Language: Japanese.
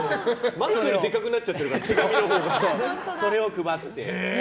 マスクよりでかくなってるから手紙のほうが。それを配って。